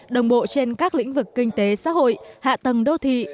đồng bộ trên các lĩnh vực kinh tế xã hội hạ tầng đô thị